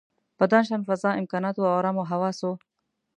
په داشان فضا، امکاناتو او ارامو حواسو.